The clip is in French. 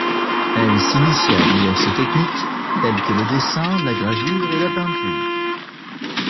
Elle s’initia à diverses techniques tels que le dessin, la gravure et la peinture.